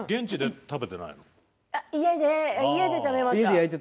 家で食べました。